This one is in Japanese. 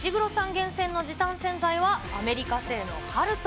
厳選の時短洗剤は、アメリカ製のハルト。